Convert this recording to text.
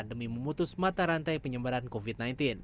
demi memutus mata rantai penyebaran covid sembilan belas